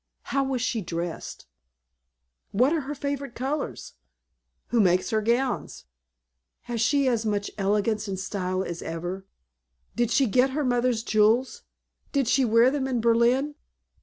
How was she dressed?" "What are her favorite colors?" "Who makes her gowns?" "Has she as much elegance and style as ever?" "Did she get her mother's jewels? Did she wear them in Berlin?"